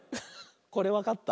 これわかった？